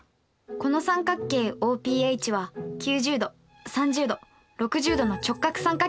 この三角形ＯＰＨは９０°３０°６０°の直角三角形になっています。